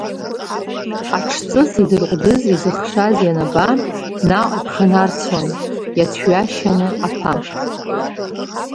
Аҽҵыс идырҟәдыз изыхшаз ианаба, наҟ иԥханарсуан, иацәҩашьаны аԥа.